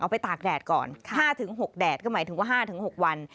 ไปตากแดดก่อน๕๖แดดก็หมายถึงว่า๕๖วัน